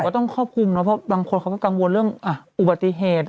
ต้องครอบคลุมเนาะเพราะบางคนเขาก็กังวลเรื่องอุบัติเหตุ